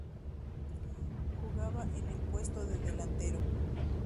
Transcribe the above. Jugaba en el puesto de delantero.